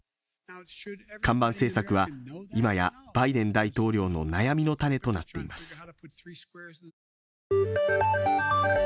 看板政策は今やバイデン大統領の悩みの種となっています